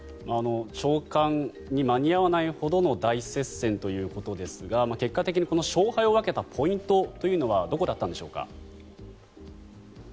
朝刊に間に合わないほどの大接戦ということですが結果的に勝敗を分けたポイントというのはどこだったんでしょうか？